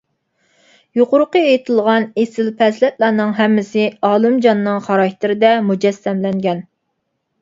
يۇقىرىقى ئېيتىلغان ئېسىل پەزىلەتلەرنىڭ ھەممىسى ئالىمجاننىڭ خاراكتېرىدە مۇجەسسەملەنگەن.